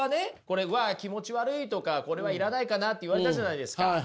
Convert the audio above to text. これ「うわ気持ち悪い」とか「これは要らないかな」って言われたじゃないですか。